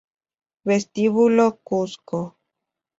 Vestíbulo Cuzco